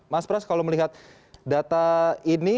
mas pras kalau melihat data ini